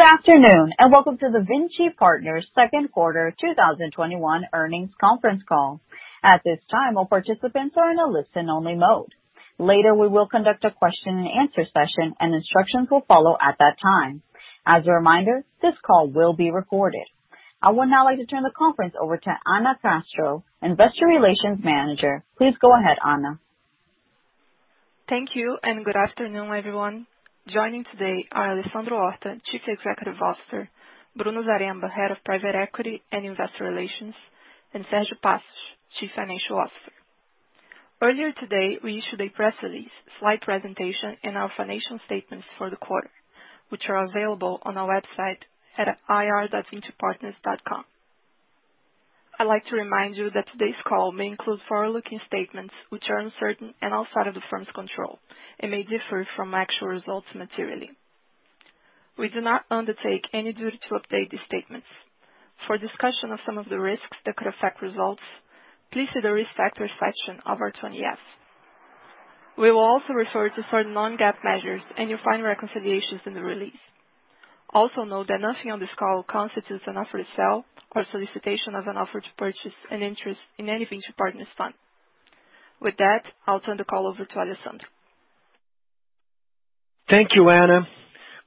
Good afternoon, and welcome to the Vinci Partners' second quarter 2021 earnings conference call. At this time, all participants are in a listen-only mode. Later, we will conduct a question and answer session, and instructions will follow at that time. As a reminder, this call will be recorded. I would now like to turn the conference over to Anna Castro, investor relations manager. Please go ahead, Anna. Thank you, and good afternoon, everyone. Joining today are Alessandro Horta, Chief Executive Officer, Bruno Zaremba, Head of Private Equity and Investor Relations, and Sergio Passos, Chief Financial Officer. Earlier today, we issued a press release, slide presentation, and our financial statements for the quarter, which are available on our website at ir.vincipartners.com. I'd like to remind you that today's call may include forward-looking statements, which are uncertain and outside of the firm's control and may differ from actual results materially. We do not undertake any duty to update these statements. For discussion of some of the risks that could affect results, please see the Risk Factors section of our 20F. We will also refer to certain non-GAAP measures, and you'll find reconciliations in the release. Also, note that nothing on this call constitutes an offer to sell or solicitation of an offer to purchase an interest in any Vinci Partners fund. With that, I'll turn the call over to Alessandro. Thank you, Anna.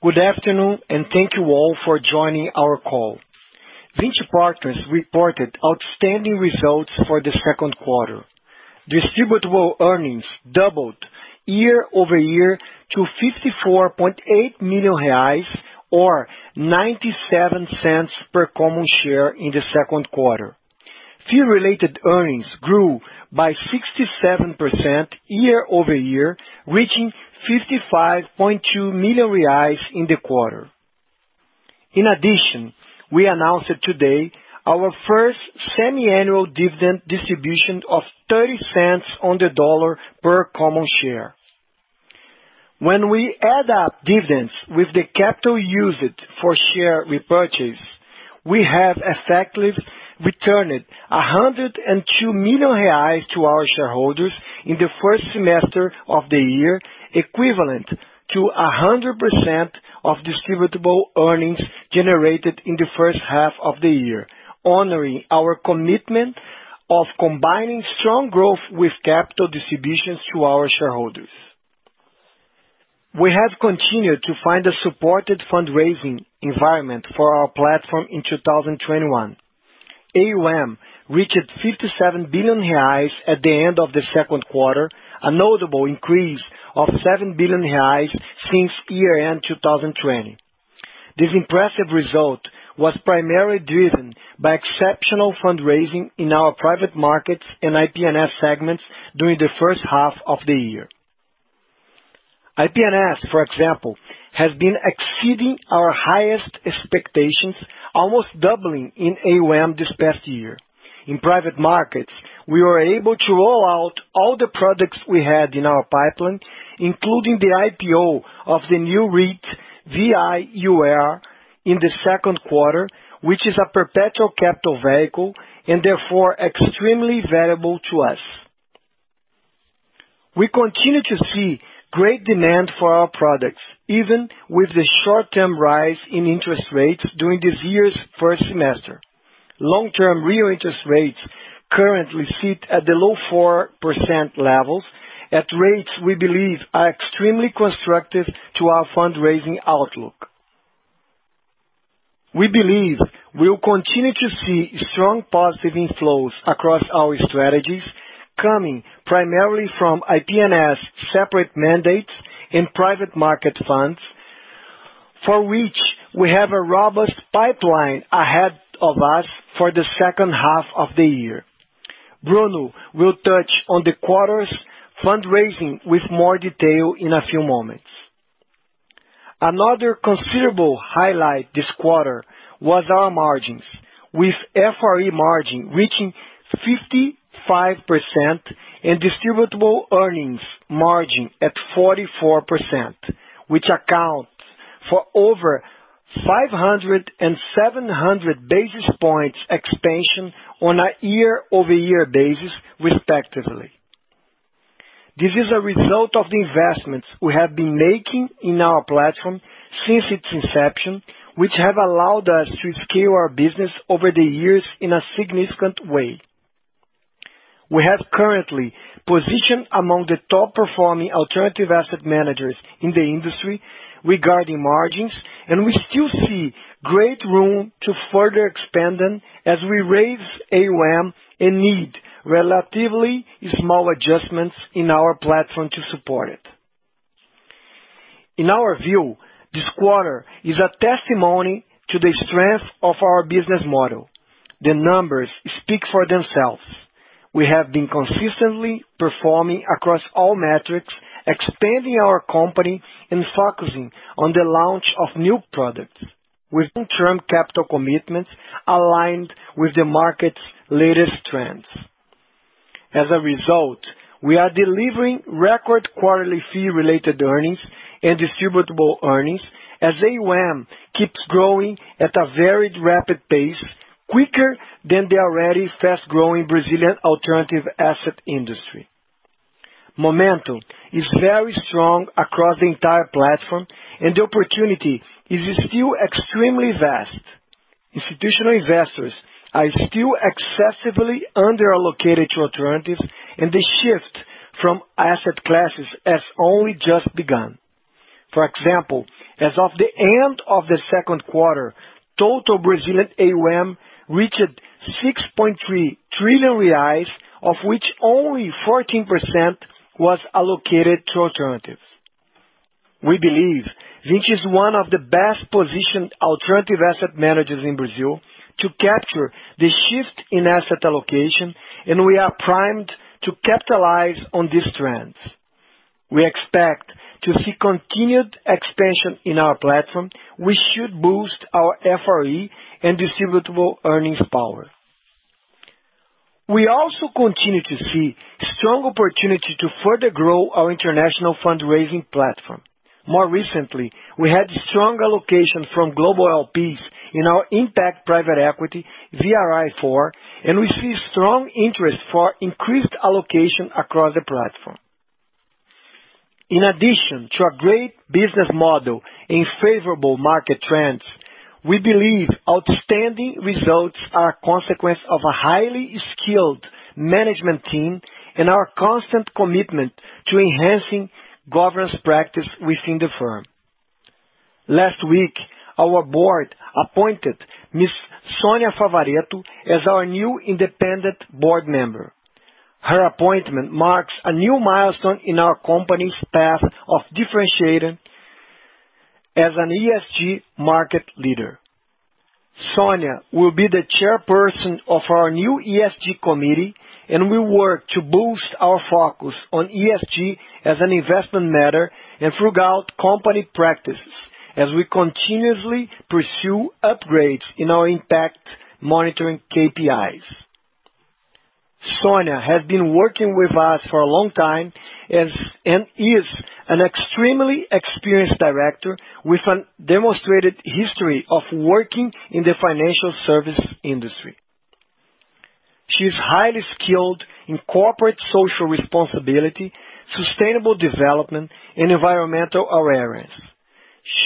Good afternoon, and thank you all for joining our call. Vinci Partners reported outstanding results for the second quarter. Distributable Earnings doubled year-over-year to 54.8 million reais, or 0.97 per common share in the second quarter. Fee-Related Earnings grew by 67% year-over-year, reaching 55.2 million reais in the quarter. In addition, we announced today our first semi-annual dividend distribution of $0.30 per common share. When we add up dividends with the capital used for share repurchase, we have effectively returned 102 million reais to our shareholders in the first semester of the year, equivalent to 100% of Distributable Earnings generated in the first half of the year, honoring our commitment of combining strong growth with capital distributions to our shareholders. We have continued to find a supported fundraising environment for our platform in 2021. AUM reached 57 billion reais at the end of the second quarter, a notable increase of 7 billion reais since year-end 2020. This impressive result was primarily driven by exceptional fundraising in our private markets and IP&S segments during the first half of the year. IP&S, for example, has been exceeding our highest expectations, almost doubling in AUM this past year. In private markets, we were able to roll out all the products we had in our pipeline, including the IPO of the new REIT, VIUR11, in the second quarter, which is a perpetual capital vehicle and therefore extremely valuable to us. We continue to see great demand for our products, even with the short-term rise in interest rates during this year's first semester. Long-term real interest rates currently sit at the low 4% levels, at rates we believe are extremely constructive to our fundraising outlook. We believe we'll continue to see strong positive inflows across our strategies coming primarily from IP&S separate mandates and private market funds, for which we have a robust pipeline ahead of us for the second half of the year. Bruno will touch on the quarter's fundraising with more detail in a few moments. Another considerable highlight this quarter was our margins, with FRE margin reaching 55% and Distributable Earnings margin at 44%, which accounts for over 500 and 700 basis points expansion on a year-over-year basis, respectively. This is a result of the investments we have been making in our platform since its inception, which have allowed us to scale our business over the years in a significant way. We have currently positioned among the top-performing alternative asset managers in the industry regarding margins, and we still see great room to further expand them as we raise AUM and need relatively small adjustments in our platform to support it. In our view, this quarter is a testimony to the strength of our business model. The numbers speak for themselves. We have been consistently performing across all metrics, expanding our company, and focusing on the launch of new products with long-term capital commitments aligned with the market's latest trends. As a result, we are delivering record quarterly Fee-Related Earnings and Distributable Earnings as AUM keeps growing at a very rapid pace, quicker than the already fast-growing Brazilian alternative asset industry. Momentum is very strong across the entire platform and the opportunity is still extremely vast. Institutional investors are still excessively under-allocated to alternatives and the shift from asset classes has only just begun. For example, as of the end of the second quarter, total Brazilian AUM reached 6.3 trillion reais, of which only 14% was allocated to alternatives. We believe Vinci is one of the best-positioned alternative asset managers in Brazil to capture the shift in asset allocation and we are primed to capitalize on these trends. We expect to see continued expansion in our platform, which should boost our FRE and distributable earnings power. We also continue to see strong opportunity to further grow our international fundraising platform. More recently, we had strong allocation from global LPs in our impact private equity VIR IV and we see strong interest for increased allocation across the platform. In addition to a great business model and favorable market trends, we believe outstanding results are a consequence of a highly skilled management team and our constant commitment to enhancing governance practice within the firm. Last week, our board appointed Ms. Sonia Favaretto as our new independent board member. Her appointment marks a new milestone in our company's path of differentiating as an ESG market leader. Sonia will be the chairperson of our new ESG committee and will work to boost our focus on ESG as an investment matter and throughout company practices as we continuously pursue upgrades in our impact monitoring KPIs. Sonia has been working with us for a long time and is an extremely experienced director with a demonstrated history of working in the financial service industry. She is highly skilled in corporate social responsibility, sustainable development, and environmental awareness.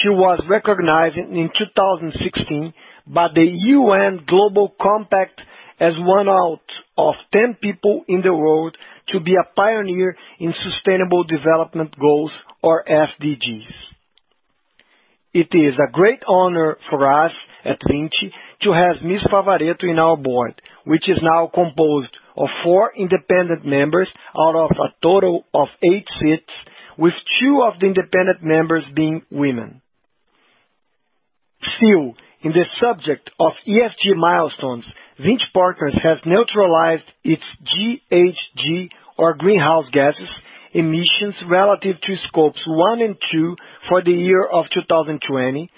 She was recognized in 2016 by the UN Global Compact as one out of 10 people in the world to be a pioneer in Sustainable Development Goals or SDGs. It is a great honor for us at Vinci to have Ms. Favaretto in our board, which is now composed of four independent members out of a total of eight seats, with two of the independent members being women. Still in the subject of ESG milestones, Vinci Partners has neutralized its GHG or greenhouse gases emissions relative to scopes one and two for the year of 2020,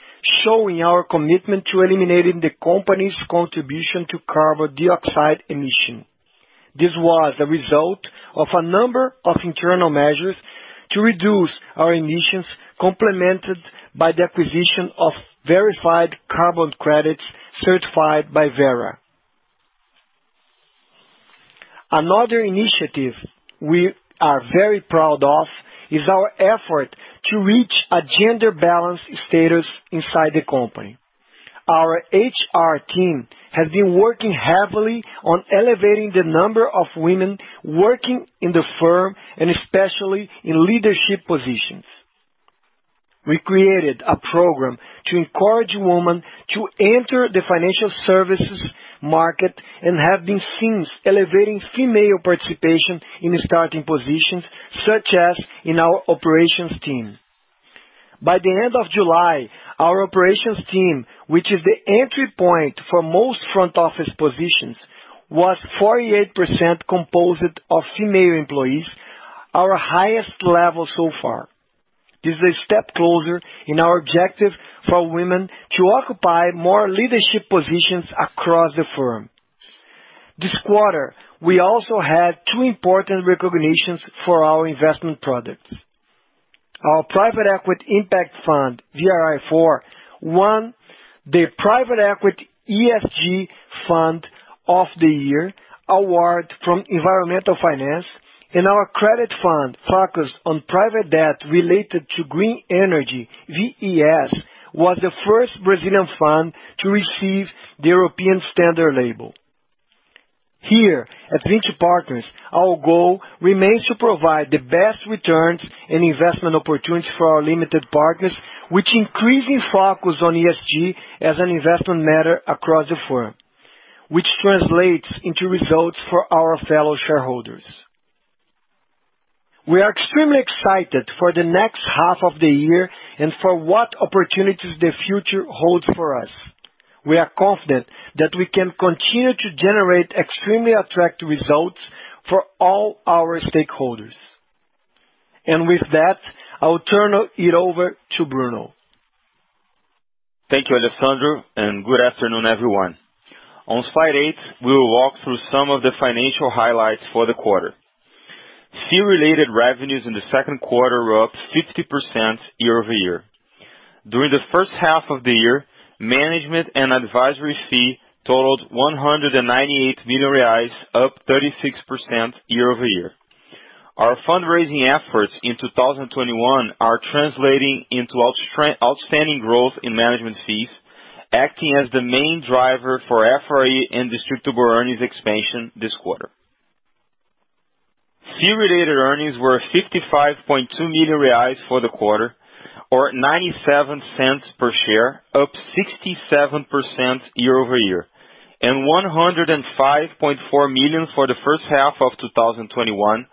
showing our commitment to eliminating the company's contribution to carbon dioxide emission. This was a result of a number of internal measures to reduce our emissions, complemented by the acquisition of verified carbon credits certified by Verra. Another initiative we are very proud of is our effort to reach a gender balance status inside the company. Our HR team has been working heavily on elevating the number of women working in the firm and especially in leadership positions. We created a program to encourage women to enter the financial services market and have been since elevating female participation in starting positions such as in our operations team. By the end of July, our operations team, which is the entry point for most front office positions, was 48% composed of female employees, our highest level so far. This is a step closer in our objective for women to occupy more leadership positions across the firm. This quarter, we also had two important recognitions for our investment products. Our private equity impact fund, VIR IV won the Private Equity ESG Fund of the Year award from Environmental Finance and our credit fund focused on private debt related to green energy, VES, was the first Brazilian fund to receive the European Standard label. Here at Vinci Partners, our goal remains to provide the best returns and investment opportunities for our limited partners with increasing focus on ESG as an investment matter across the firm, which translates into results for our fellow shareholders. We are extremely excited for the next half of the year and for what opportunities the future holds for us. We are confident that we can continue to generate extremely attractive results for all our stakeholders. With that, I will turn it over to Bruno. Thank you, Alessandro and good afternoon everyone. On slide eight we will walk through some of the financial highlights for the quarter. Fee-related revenues in the second quarter were up 50% year-over-year. During the first half of the year, management and advisory fee totaled R$198 million, up 36% year-over-year. Our fundraising efforts in 2021 are translating into outstanding growth in management fees, acting as the main driver for FRE and Distributable Earnings expansion this quarter. Fee-related earnings were R$55.2 million for the quarter, or 0.97 per share, up 67% year-over-year, and 105.4 million for the first half of 2021,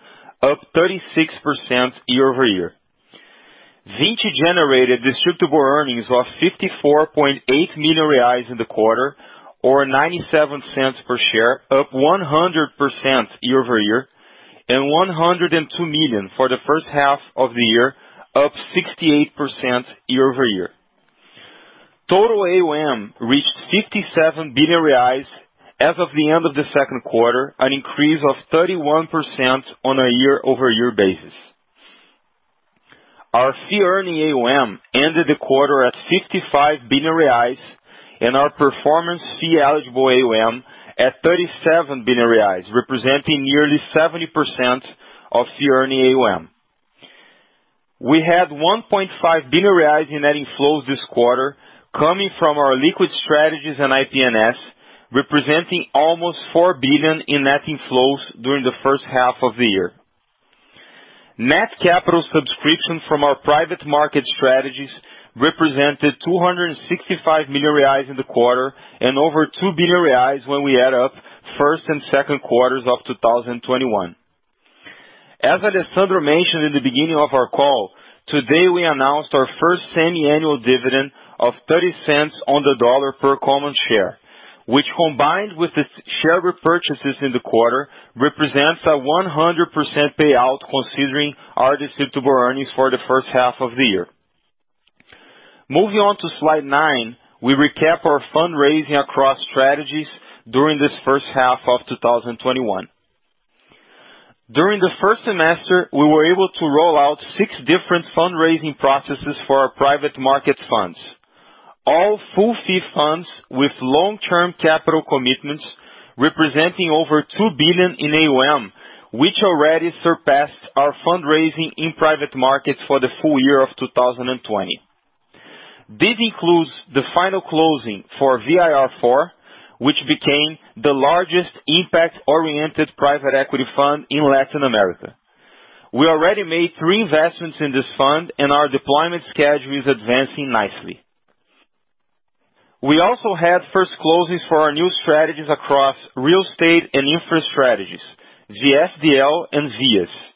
up 36% year-over-year. Vinci generated Distributable Earnings of R$54.8 million in the quarter, or 0.97 per share, up 100% year-over-year, and 102 million for the first half of the year, up 68% year-over-year. Total AUM reached 57 billion reais as of the end of the second quarter, an increase of 31% on a year-over-year basis. Our fee earning AUM ended the quarter at 55 billion reais, and our performance fee eligible AUM at 37 billion reais, representing nearly 70% of fee earning AUM. We had 1.5 billion reais in net inflows this quarter coming from our liquid strategies and IP&S, representing almost 4 billion in net inflows during the first half of the year. Net capital subscription from our private market strategies represented 265 million reais in the quarter and over 2 billion reais when we add up first and second quarters of 2021. As Alessandro mentioned in the beginning of our call, today we announced our first semiannual dividend of $0.30 on the dollar per common share, which combined with the share repurchases in the quarter, represents a 100% payout considering our Distributable Earnings for the first half of the year. Moving on to slide nine, we recap our fundraising across strategies during this first half of 2021. During the first semester, we were able to roll out six different fundraising processes for our private market funds. All full fee funds with long-term capital commitments representing over R$2 billion in AUM, which already surpassed our fundraising in private markets for the full year of 2020. This includes the final closing for VIR IV, which became the largest impact-oriented private equity fund in Latin America. We already made three investments in this fund, and our deployment schedule is advancing nicely. We also had first closes for our new strategies across real estate and infra strategies, VFDL and VF.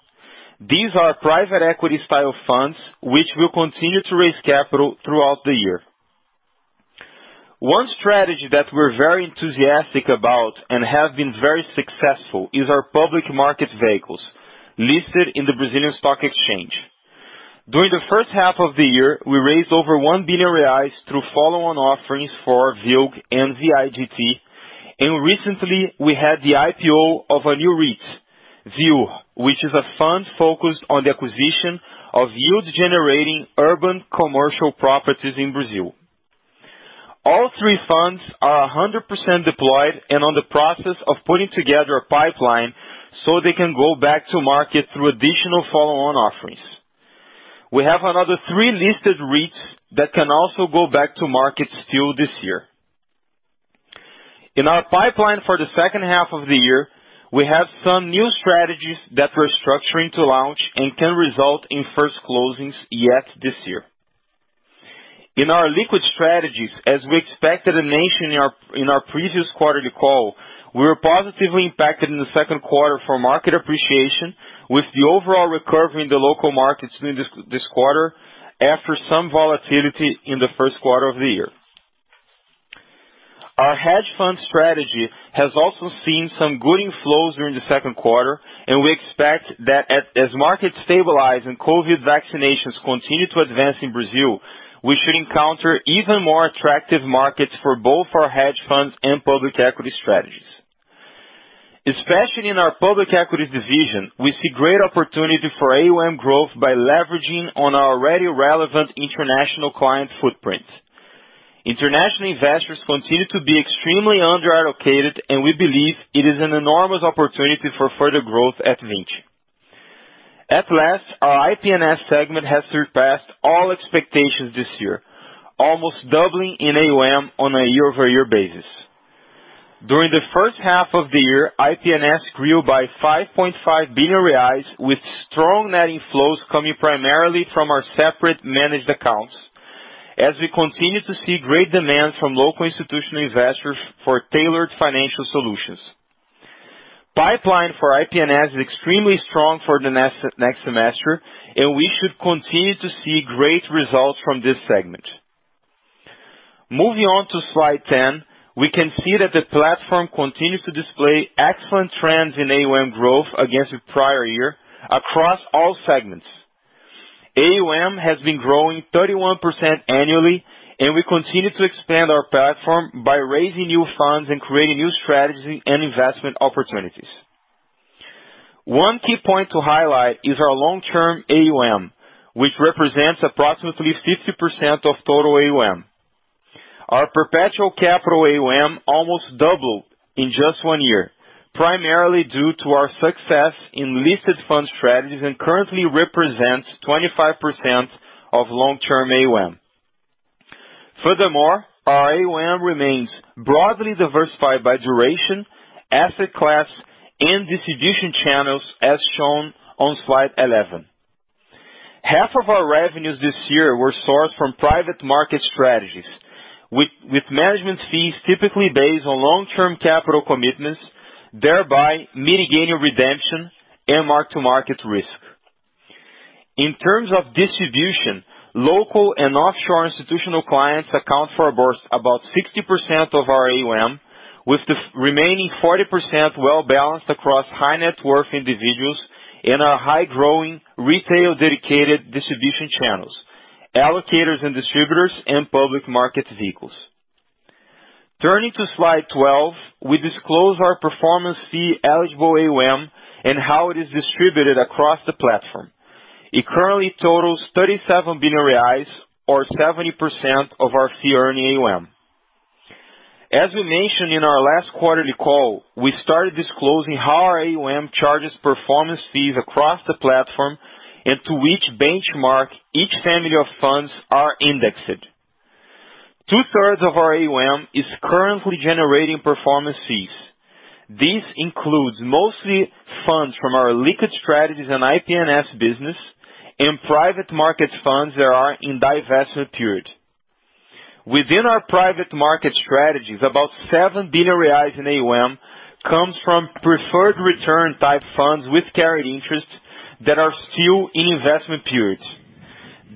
These are private equity style funds, which will continue to raise capital throughout the year. One strategy that we're very enthusiastic about and have been very successful is our public market vehicles listed in the Brazilian Stock Exchange. During the first half of the year, we raised over 1 billion reais through follow-on offerings for VILG and VIGT. Recently we had the IPO of a new REIT, VIUR, which is a fund focused on the acquisition of yield-generating urban commercial properties in Brazil. All three funds are 100% deployed and on the process of putting together a pipeline so they can go back to market through additional follow-on offerings. We have another three listed REITs that can also go back to market still this year. In our pipeline for the second half of the year, we have some new strategies that we're structuring to launch and can result in first closings yet this year. In our liquid strategies, as we expected and mentioned in our previous quarterly call, we were positively impacted in the second quarter for market appreciation with the overall recovery in the local markets this quarter after some volatility in the first quarter of the year. Our hedge fund strategy has also seen some good inflows during the second quarter, and we expect that as markets stabilize and COVID vaccinations continue to advance in Brazil, we should encounter even more attractive markets for both our hedge funds and public equity strategies. Especially in our public equity division, we see great opportunity for AUM growth by leveraging on our already relevant international client footprint. International investors continue to be extremely underallocated, and we believe it is an enormous opportunity for further growth at Vinci. At last, our IP&S segment has surpassed all expectations this year, almost doubling in AUM on a year-over-year basis. During the first half of the year, IP&S grew by R$ 5.5 billion with strong net inflows coming primarily from our separate managed accounts as we continue to see great demand from local institutional investors for tailored financial solutions. Pipeline for IP&S is extremely strong for the next semester, and we should continue to see great results from this segment. Moving on to slide 10, we can see that the platform continues to display excellent trends in AUM growth against the prior year across all segments. AUM has been growing 31% annually, and we continue to expand our platform by raising new funds and creating new strategy and investment opportunities. One key point to highlight is our long-term AUM, which represents approximately 50% of total AUM. Our perpetual capital AUM almost doubled in just one year, primarily due to our success in listed fund strategies and currently represents 25% of long-term AUM. Furthermore, our AUM remains broadly diversified by duration, asset class, and distribution channels, as shown on slide 11. Half of our revenues this year were sourced from private market strategies with management fees typically based on long-term capital commitments, thereby mitigating redemption and mark-to-market risk. In terms of distribution, local and offshore institutional clients account for about 60% of our AUM, with the remaining 40% well-balanced across high-net-worth individuals in our high-growing retail dedicated distribution channels, allocators and distributors, and public market vehicles. Turning to slide 12, we disclose our performance fee eligible AUM and how it is distributed across the platform. It currently totals 37 billion reais, or 70% of our fee earning AUM. As we mentioned in our last quarterly call, we started disclosing how our AUM charges performance fees across the platform and to which benchmark each family of funds are indexed. Two-thirds of our AUM is currently generating performance fees. This includes mostly funds from our liquid strategies and IP&S business and private market funds that are in divestment period. Within our private market strategies, about 7 billion reais in AUM comes from preferred return type funds with carried interest that are still in investment periods.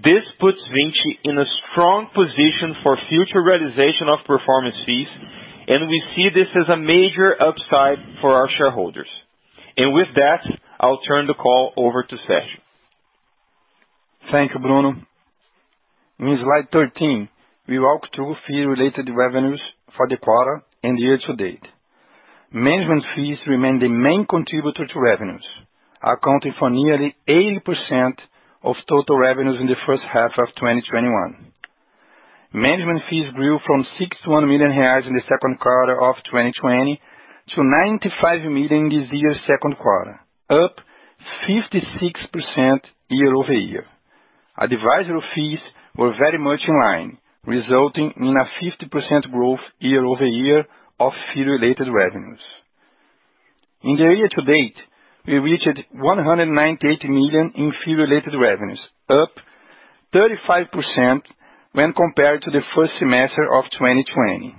This puts Vinci in a strong position for future realization of performance fees. We see this as a major upside for our shareholders. With that, I'll turn the call over to Sergio Passos. Thank you, Bruno. In slide 13, we walk through fee-related revenues for the quarter and year-to-date. Management fees remain the main contributor to revenues, accounting for nearly 80% of total revenues in the first half of 2021. Management fees grew from 61 million reais in the second quarter of 2020 to 95 million this year's second quarter, up 56% year-over-year. Advisory fees were very much in line, resulting in a 50% growth year-over-year of fee-related revenues. In the year-to-date, we reached 198 million in fee-related revenues, up 35% when compared to the first semester of 2020.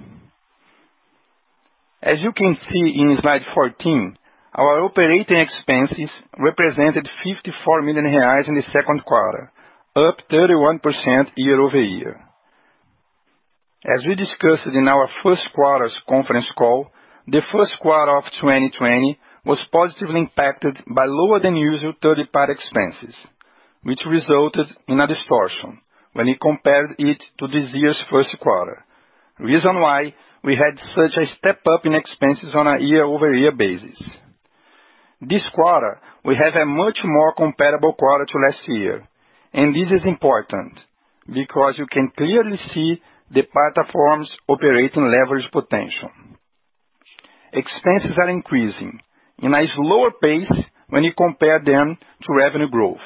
As you can see in slide 14, our operating expenses represented 54 million reais in the second quarter, up 31% year-over-year. As we discussed in our first quarter conference call, the first quarter of 2020 was positively impacted by lower than usual third-party expenses, which resulted in a distortion when we compared it to this year's first quarter. The reason why we had such a step-up in expenses on a year-over-year basis. This quarter, we have a much more comparable quarter to last year. This is important because you can clearly see the platform's operating leverage potential. Expenses are increasing in a slower pace when you compare them to revenue growth,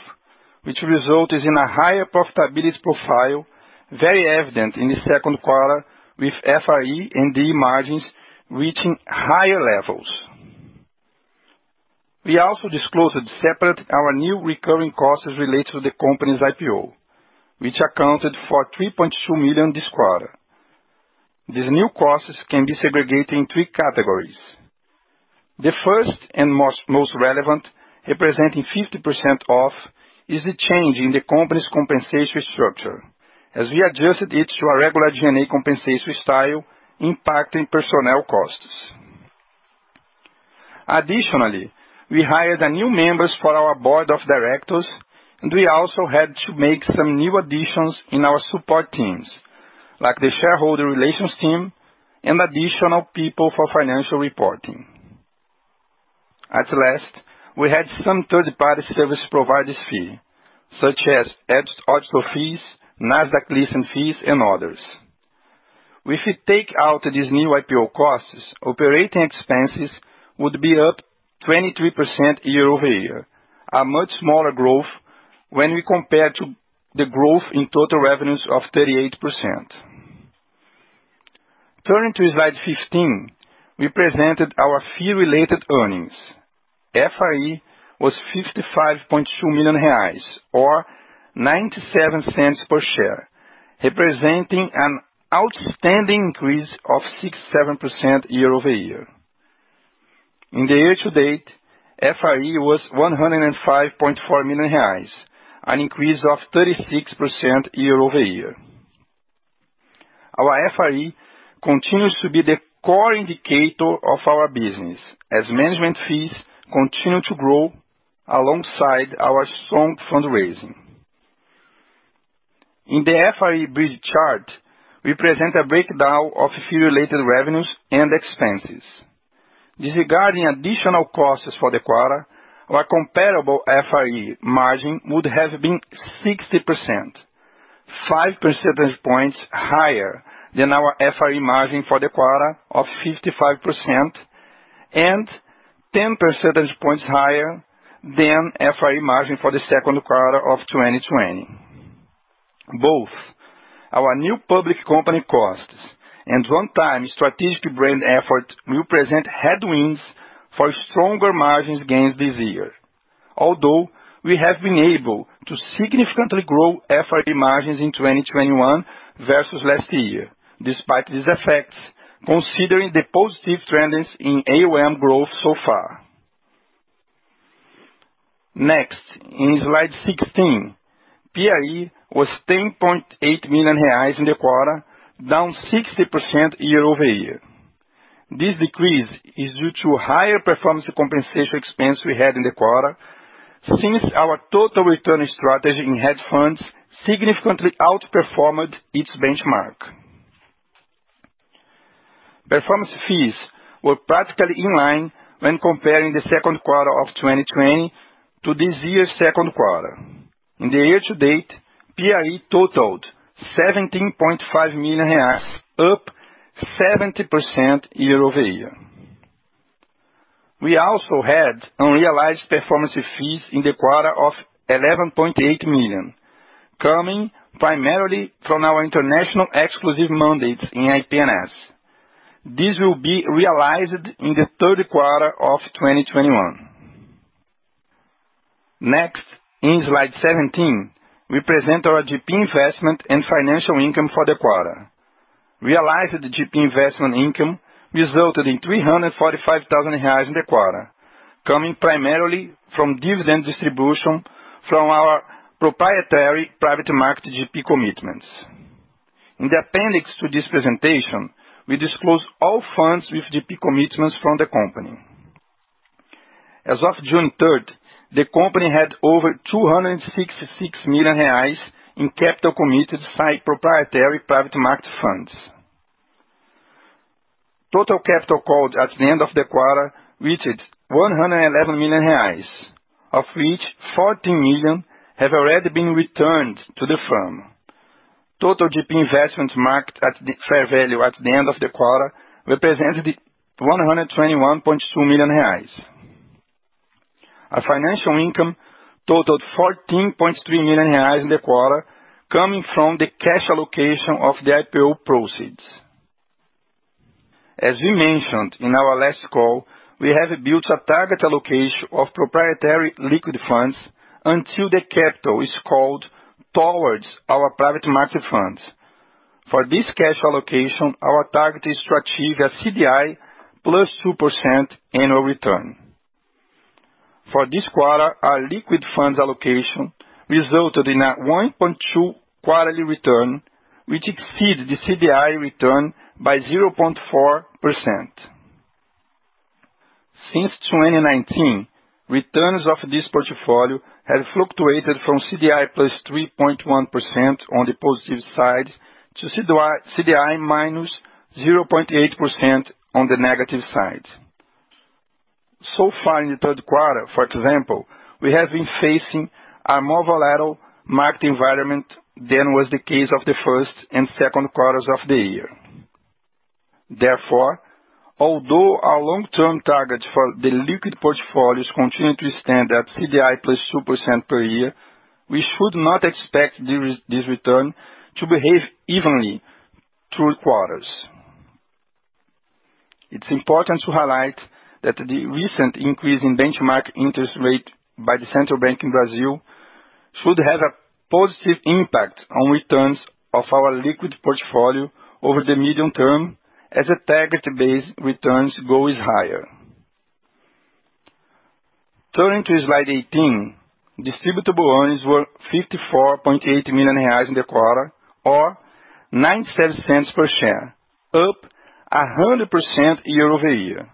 which results in a higher profitability profile, very evident in the second quarter with FRE and DE margins reaching higher levels. We also disclosed separately our new recurring costs related to the company's IPO, which accounted for 3.2 million this quarter. These new costs can be segregated in three categories. The first and most relevant, representing 50% off, is the change in the company's compensation structure as we adjusted it to a regular G&A compensation style, impacting personnel costs. We hired new members for our board of directors, and we also had to make some new additions in our support teams, like the shareholder relations team and additional people for financial reporting. We had some third-party service providers fee, such as audit fees, Nasdaq listing fees, and others. If we take out these new IPO costs, operating expenses would be up 23% year-over-year. A much smaller growth when we compare to the growth in total revenues of 38%. Turning to slide 15, we presented our fee-related earnings. FRE was 55.2 million reais, or 0.97 per share, representing an outstanding increase of 67% year-over-year. In the year to date, FRE was 105.4 million reais, an increase of 36% year-over-year. Our FRE continues to be the core indicator of our business as management fees continue to grow alongside our strong fundraising. In the FRE bridge chart, we present a breakdown of fee-related revenues and expenses. Disregarding additional costs for the quarter, our comparable FRE margin would have been 60%, 5 percentage points higher than our FRE margin for the quarter of 55% and 10 percentage points higher than FRE margin for the second quarter of 2020. Both our new public company costs and one-time strategic brand effort will present headwinds for stronger margins gains this year. We have been able to significantly grow FRE margins in 2021 versus last year, despite these effects, considering the positive trends in AUM growth so far. Next, in slide 16, PIE was 10.8 million reais in the quarter, down 60% year-over-year. This decrease is due to higher performance compensation expense we had in the quarter, since our total return strategy in hedge funds significantly outperformed its benchmark. Performance fees were practically in line when comparing the second quarter of 2020 to this year's second quarter. In the year to date, PIE totaled BRL 17.5 million, up 70% year-over-year. We also had unrealized performance fees in the quarter of 11.8 million, coming primarily from our international exclusive mandates in IP&S. This will be realized in the third quarter of 2021. Next, in slide 17, we present our GP investment and financial income for the quarter. Realized GP investment income resulted in 345,000 reais in the quarter, coming primarily from dividend distribution from our proprietary private market GP commitments. In the appendix to this presentation, we disclose all funds with GP commitments from the company. As of June 3rd, the company had over 266 million reais in capital committed to proprietary private market funds. Total capital called at the end of the quarter reached 111 million reais, of which 14 million have already been returned to the firm. Total GP investment marked at the fair value at the end of the quarter represented 121.2 million reais. Our financial income totaled 14.3 million reais in the quarter, coming from the cash allocation of the IPO proceeds. As we mentioned in our last call, we have built a target allocation of proprietary liquid funds until the capital is called towards our private market funds. For this cash allocation, our target is to achieve a CDI plus 2% annual return. For this quarter, our liquid funds allocation resulted in a 1.2% quarterly return, which exceeds the CDI return by 0.4%. Since 2019, returns of this portfolio have fluctuated from CDI +3.1% on the positive side to CDI -0.8% on the negative side. Far in the third quarter, for example, we have been facing a more volatile market environment than was the case of the first and second quarters of the year. Although our long-term targets for the liquid portfolios continue to stand at CDI +2% per year, we should not expect this return to behave evenly through quarters. It's important to highlight that the recent increase in benchmark interest rate by the Central Bank of Brazil should have a positive impact on returns of our liquid portfolio over the medium term as target-based returns goes higher. Turning to slide 18, Distributable Earnings were 54.8 million reais in the quarter, or 0.97 per share, up 100% year-over-year.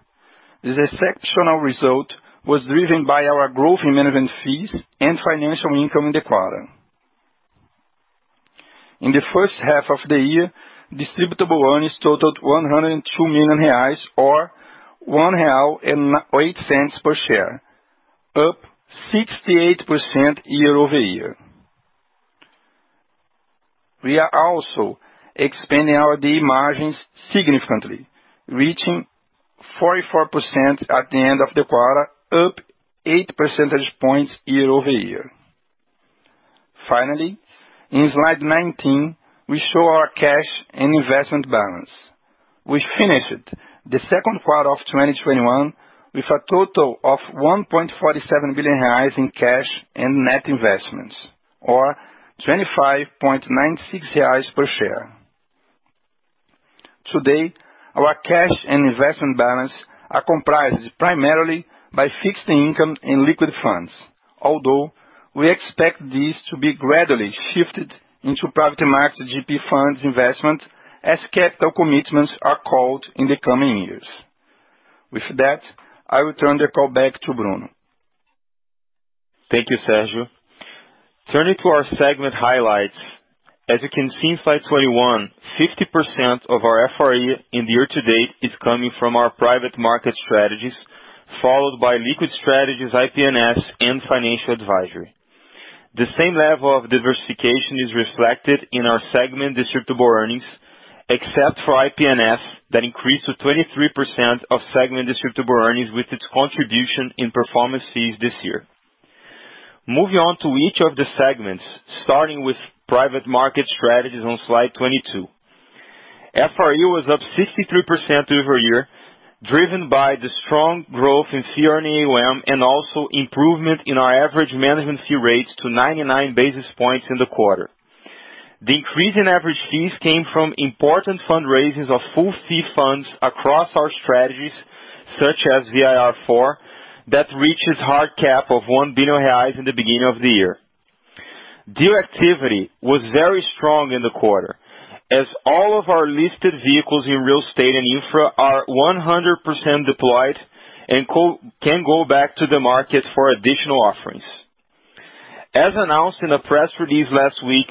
This exceptional result was driven by our growth in management fees and financial income in the quarter. In the first half of the year, Distributable Earnings totaled 102 million reais, or 1.08 real per share, up 68% year-over-year. We are also expanding our DE margins significantly, reaching 44% at the end of the quarter, up 8 percentage points year-over-year. Finally, in slide 19, we show our cash and investment balance. We finished the second quarter of 2021 with a total of 1.47 billion reais in cash and net investments or 25.96 reais per share. Today, our cash and investment balance are comprised primarily by fixed income in liquid funds. Although we expect this to be gradually shifted into private market GP funds investment as capital commitments are called in the coming years. With that, I will turn the call back to Bruno. Thank you, Sergio. Turning to our segment highlights. As you can see in slide 21, 50% of our FRE in the year-to-date is coming from our private market strategies, followed by liquid strategies, IP&S, and financial advisory. The same level of diversification is reflected in our segment distributable earnings, except for IP&S that increased to 23% of segment distributable earnings with its contribution in performance fees this year. Moving on to each of the segments, starting with private market strategies on slide 22. FRE was up 63% year-over-year, driven by the strong growth in fee-earning AUM and also improvement in our average management fee rates to 99 basis points in the quarter. The increase in average fees came from important fundraisings of full fee funds across our strategies, such as VIR IV, that reached its hard cap of 1 billion reais in the beginning of the year. Deal activity was very strong in the quarter, as all of our listed vehicles in real estate and infra are 100% deployed and can go back to the market for additional offerings. As announced in a press release last week,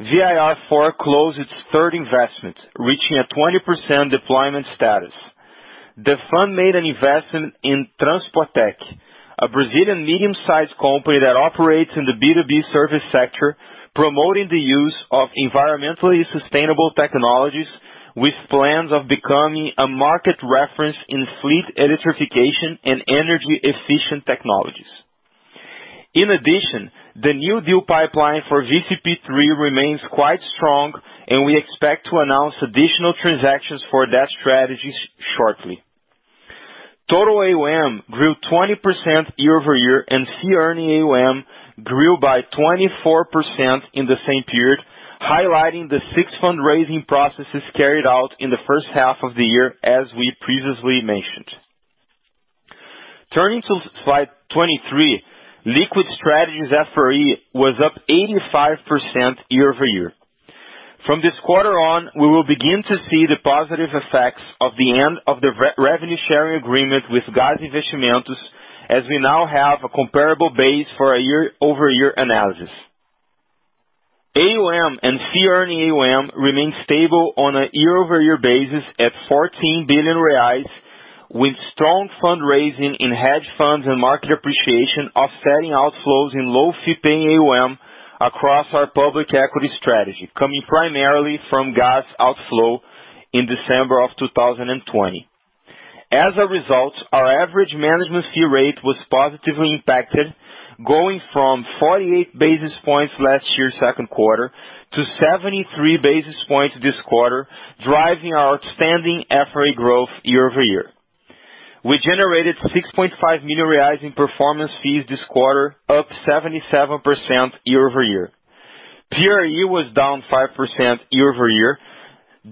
VIR IV closed its third investment, reaching a 20% deployment status. The fund made an investment in TranspoTech, a Brazilian medium-sized company that operates in the B2B service sector, promoting the use of environmentally sustainable technologies with plans of becoming a market reference in fleet electrification and energy efficient technologies. In addition, the new deal pipeline for VCP III remains quite strong. We expect to announce additional transactions for that strategy shortly. Total AUM grew 20% year-over-year and fee-earning AUM grew by 24% in the same period, highlighting the six fundraising processes carried out in the H1 of the year as we previously mentioned. Turning to slide 23. Liquid strategies FRE was up 85% year-over-year. From this quarter on, we will begin to see the positive effects of the end of the revenue sharing agreement with GAS Investimentos, as we now have a comparable base for a year-over-year analysis. AUM and fee-earning AUM remain stable on a year-over-year basis at 14 billion reais with strong fundraising in hedge funds and market appreciation offsetting outflows in low fee paying AUM across our public equity strategy coming primarily from GAS outflow in December of 2020. As a result, our average management fee rate was positively impacted, going from 48 basis points last year second quarter to 73 basis points this quarter, driving our outstanding FRE growth year-over-year. We generated 6.5 million reais in performance fees this quarter, up 77% year-over-year. PRE was down 5% year-over-year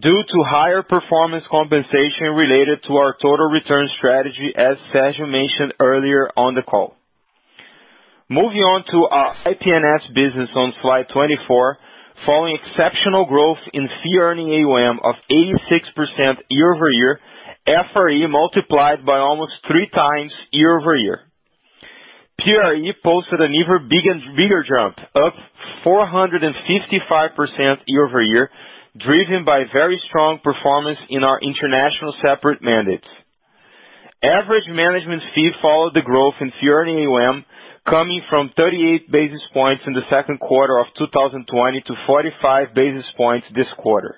due to higher performance compensation related to our total return strategy, as Sergio mentioned earlier on the call. Moving on to our IP&S business on slide 24. Following exceptional growth in fee-earning AUM of 86% year-over-year, FRE multiplied by almost three times year-over-year. PRE posted an even bigger jump, up 455% year-over-year, driven by very strong performance in our international separate mandates. Average management fee followed the growth in fee-earning AUM coming from 38 basis points in the second quarter of 2020 to 45 basis points this quarter.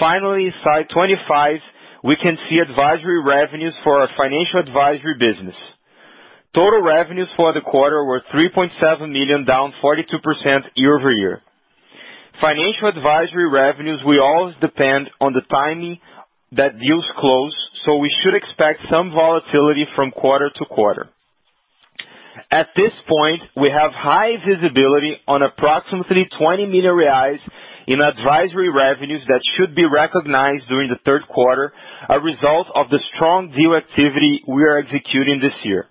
Finally, slide 25, we can see advisory revenues for our financial advisory business. Total revenues for the quarter were $3.7 million, down 42% year-over-year. Financial advisory revenues will always depend on the timing that deals close so we should expect some volatility from quarter-to-quarter. At this point, we have high visibility on approximately 20 million reais in advisory revenues that should be recognized during the third quarter, a result of the strong deal activity we are executing this year.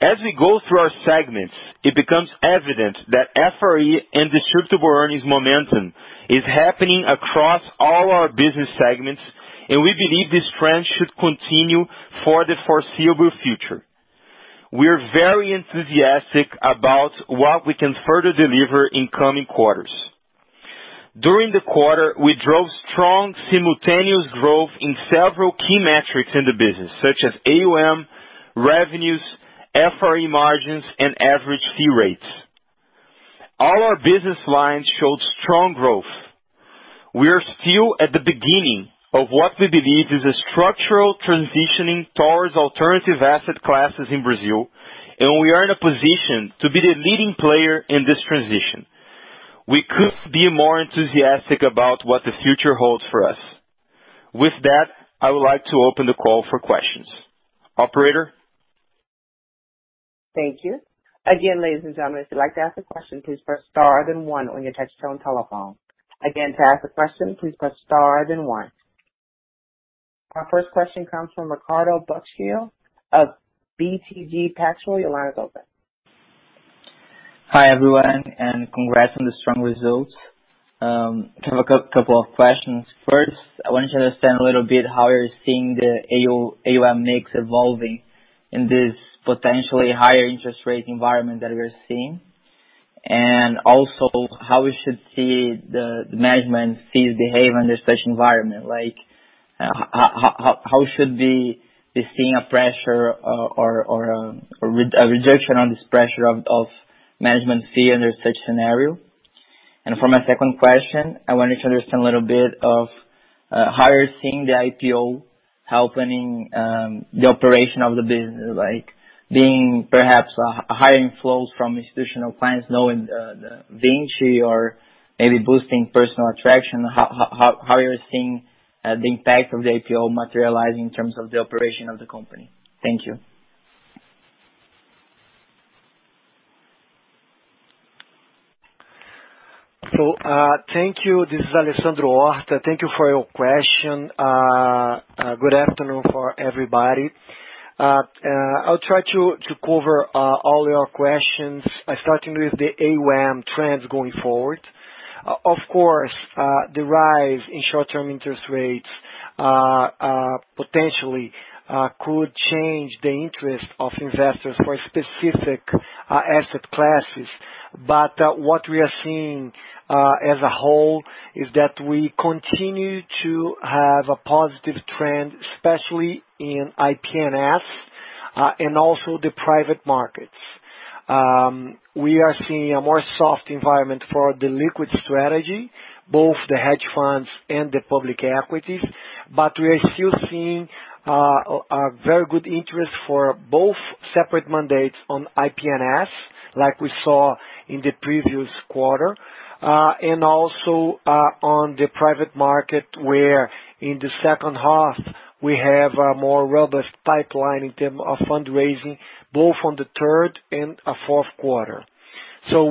As we go through our segments, it becomes evident that FRE and distributable earnings momentum is happening across all our business segments and we believe this trend should continue for the foreseeable future. We are very enthusiastic about what we can further deliver in coming quarters. During the quarter, we drove strong simultaneous growth in several key metrics in the business such as AUM, revenues, FRE margins, and average fee rates. All our business lines showed strong growth. We are still at the beginning of what we believe is a structural transitioning towards alternative asset classes in Brazil and we are in a position to be the leading player in this transition. We couldn't be more enthusiastic about what the future holds for us. I would like to open the call for questions. Operator? Thank you. Again, ladies and gentlemen, if you'd like to ask a question, please press star then one on your touchtone telephone. Again, to ask a question, please press star then one. Our first question comes from Ricardo Buchpiguel of BTG Pactual. Your line is open. Hi everyone. Congrats on the strong results. I have a couple of questions. First, I want to understand a little bit how you're seeing the AUM mix evolving in this potentially higher interest rate environment that we're seeing. Also, how we should see the management fees behave under such environment. How should we be seeing a pressure or a reduction on this pressure of management fee under such scenario? For my second question, I wanted to understand a little bit of how you're seeing the IPO helping the operation of the business, being perhaps a higher inflows from institutional clients knowing Vinci or maybe boosting personal attraction, how you're seeing the impact of the IPO materialize in terms of the operation of the company. Thank you. Thank you. This is Alessandro Horta. Thank you for your question. Good afternoon for everybody. I'll try to cover all your questions by starting with the AUM trends going forward. Of course, the rise in short-term interest rates potentially could change the interest of investors for specific asset classes. What we are seeing as a whole is that we continue to have a positive trend, especially in IP&S and also the private markets. We are seeing a more soft environment for the liquid strategy, both the hedge funds and the public equities. We are still seeing a very good interest for both separate mandates on IP&S, like we saw in the previous quarter. Also on the private market, where in the second half we have a more robust pipeline in terms of fundraising, both on the third and fourth quarter.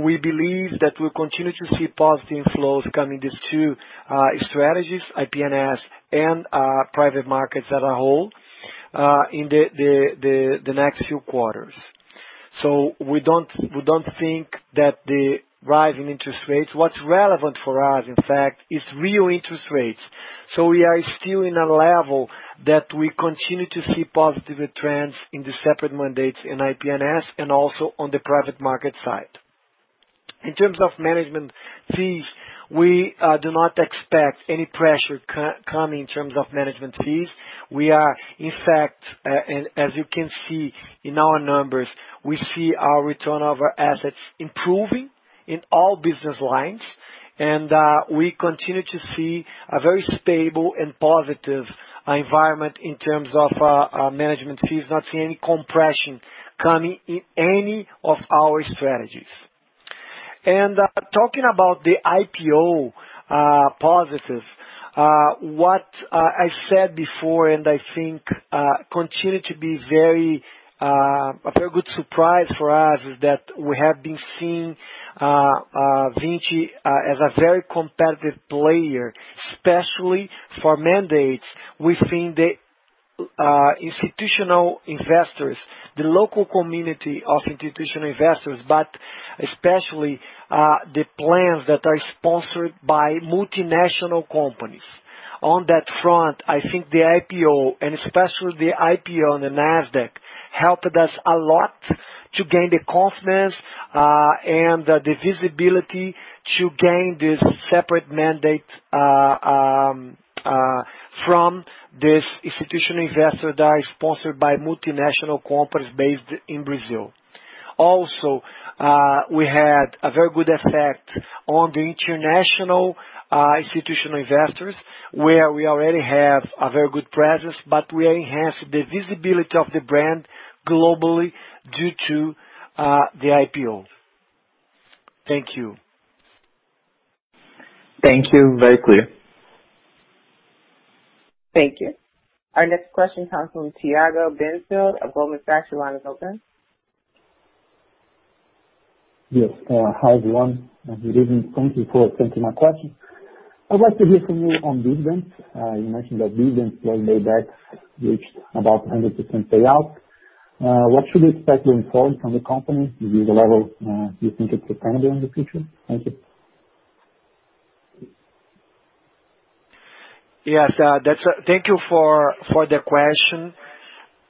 We believe that we'll continue to see positive flows coming these two strategies, IP&S and private markets as a whole in the next few quarters. We don't think that the rise in interest rates, what's relevant for us, in fact, is real interest rates. We are still in a level that we continue to see positive trends in the separate mandates in IP&S and also on the private market side. In terms of management fees, we do not expect any pressure coming in terms of management fees. We are, in fact, as you can see in our numbers, we see our return over assets improving in all business lines. We continue to see a very stable and positive environment in terms of management fees, not seeing any compression coming in any of our strategies. Talking about the IPO positive, what I said before and I think continue to be a very good surprise for us is that we have been seeing Vinci as a very competitive player, especially for mandates within the institutional investors, the local community of institutional investors, but especially the plans that are sponsored by multinational companies. On that front, I think the IPO, and especially the IPO on the Nasdaq, helped us a lot to gain the confidence and the visibility to gain this separate mandate from this institutional investor that is sponsored by multinational companies based in Brazil. We had a very good effect on the international institutional investors, where we already have a very good presence, but we enhanced the visibility of the brand globally due to the IPO. Thank you. Thank you. Very clear. Thank you. Our next question comes from Tiago Binsfeld of Goldman Sachs. Your line is open. Yes. Hi, everyone. Good evening. Thank you for taking my question. I'd like to hear from you on dividends. You mentioned that dividends flow paybacks reached about 100% payout. What should we expect going forward from the company? Is this the level you think is sustainable in the future? Thank you. Yes. Thank you for the question.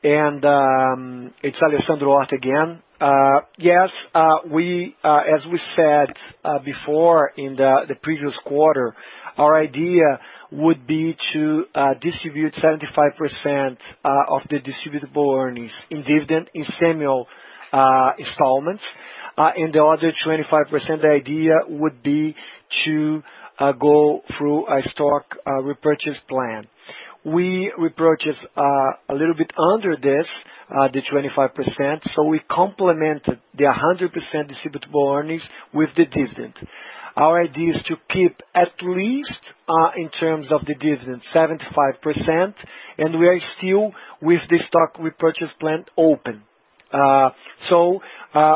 It's Alessandro Horta again. Yes, as we said before in the previous quarter, our idea would be to distribute 75% of the distributable earnings in dividend, in semi-annual installments and the other 25%, the idea would be to go through a stock repurchase plan. We repurchased a little bit under this, the 25%, so we complemented the 100% distributable earnings with the dividend. Our idea is to keep at least, in terms of the dividend, 75%, and we are still with the stock repurchase plan open.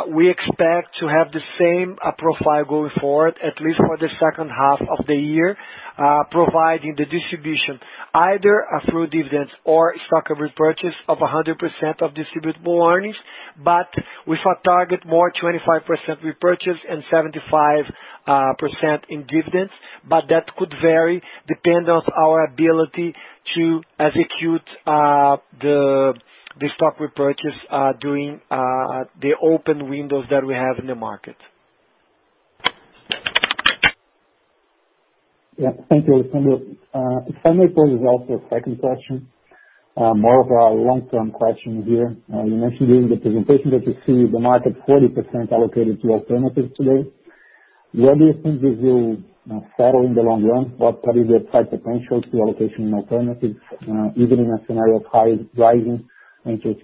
We expect to have the same profile going forward, at least for the H2 of the year, providing the distribution either through dividends or stock repurchase of 100% of distributable earnings. With our target more 25% repurchase and 75% in dividends. That could vary depending on our ability to execute the stock repurchase during the open windows that we have in the market. Yeah. Thank you, Alessandro. If I may pose as well, a second question, more of a long-term question here. You mentioned during the presentation that you see the market 40% allocated to alternatives today. Where do you think this will settle in the long run? What is the upside potential to allocation in alternatives, even in a scenario of high rising interest rates in the country? Thank you.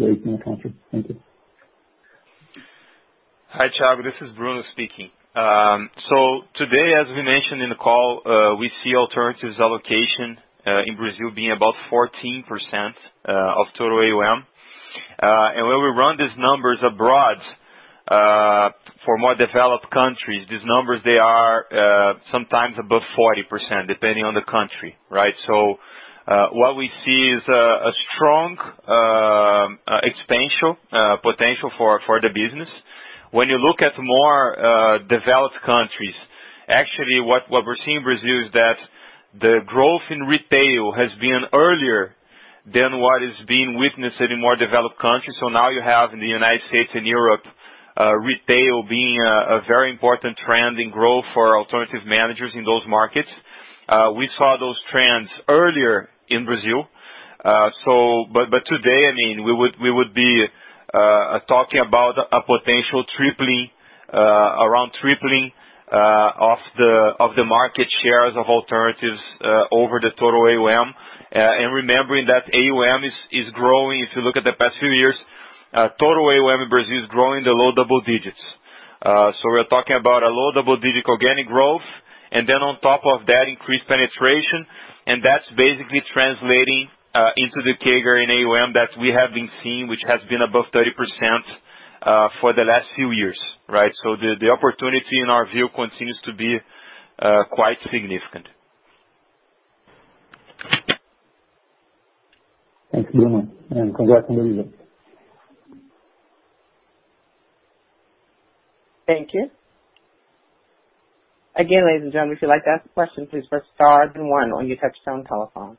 Hi, Tiago. This is Bruno speaking. Today, as we mentioned in the call, we see alternatives allocation in Brazil being about 14% of total AUM. When we run these numbers abroad for more developed countries, these numbers, they are sometimes above 40%, depending on the country. Right? What we see is a strong expansion potential for the business. When you look at more developed countries, actually, what we're seeing in Brazil is that the growth in retail has been earlier than what is being witnessed in more developed countries. Now you have in the U.S. and Europe, retail being a very important trend in growth for alternative managers in those markets. We saw those trends earlier in Brazil. Today, we would be talking about a potential around tripling of the market shares of alternatives over the total AUM. Remembering that AUM is growing. If you look at the past few years, total AUM in Brazil is growing the low double digits. We're talking about a low double-digit organic growth, and then on top of that, increased penetration. That's basically translating into the CAGR in AUM that we have been seeing, which has been above 30% for the last few years. Right? The opportunity in our view continues to be quite significant. Thanks, Bruno, and congrats on the results. Thank you. Again, ladies and gentlemen, if you'd like to ask a question, please press star then one on your touch-tone telephone.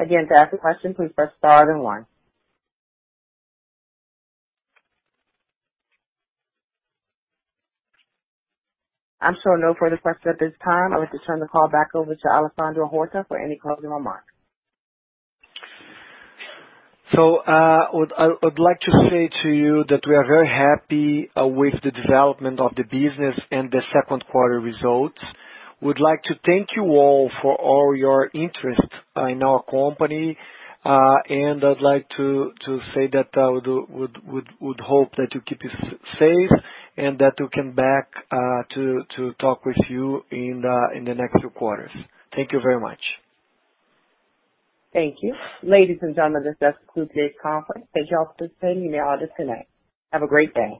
Again, to ask a question, please press star then one. I'm showing no further questions at this time. I would like to turn the call back over to Alessandro Horta for any closing remarks. I would like to say to you that we are very happy with the development of the business and the second quarter results. We'd like to thank you all for all your interest in our company. I'd like to say that I would hope that you keep you safe and that we come back to talk with you in the next few quarters. Thank you very much. Thank you. Ladies and gentlemen, this does conclude today's conference. Thank you all for participating. You may all disconnect. Have a great day.